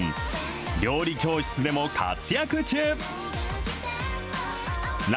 料理教室でも活躍中。